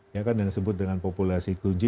ya kan yang disebut dengan populasi kuji